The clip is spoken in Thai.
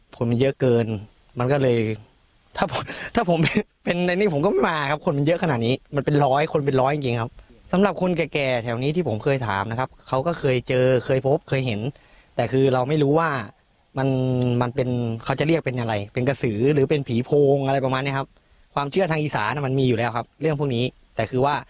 ผลมันเยอะเกินมันก็เลยถ้าถ้าผมเป็นเป็นในนี้ผมก็ไม่มาครับคนมันเยอะขนาดนี้มันเป็นร้อยคนเป็นร้อยจริงจริงครับสำหรับคนแก่แก่แถวนี้ที่ผมเคยถามนะครับเขาก็เคยเจอเคยพบเคยเห็นแต่คือเราไม่รู้ว่ามันมันเป็นเขาจะเรียกเป็นอะไรเป็นกระสือหรือเป็นผีโพงอะไรประมาณเนี้ยครับความเชื่อทางอีสานะมันมีอยู่แล้วครับเรื่องพวกนี้แต่คือว่า